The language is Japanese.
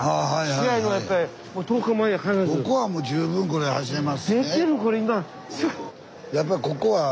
ここはもう十分これ走れますしね。